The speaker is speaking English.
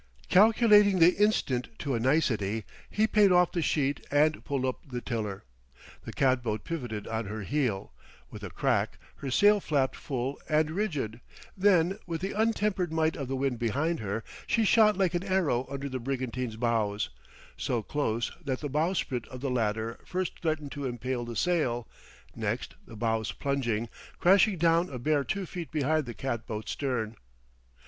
Calculating the instant to a nicety, he paid off the sheet and pulled up the tiller. The cat boat pivoted on her heel; with a crack her sail flapped full and rigid; then, with the untempered might of the wind behind her, she shot like an arrow under the brigantine's bows, so close that the bowsprit of the latter first threatened to impale the sail, next, the bows plunging, crashed down a bare two feet behind the cat boat's stern.